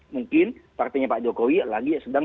mungkin partainya pak jokowi lagi sedang